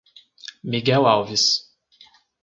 Miguel Alves